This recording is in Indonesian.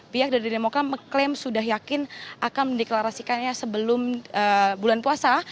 pihak dari demokrat mengklaim sudah yakin akan mendeklarasikannya sebelum bulan puasa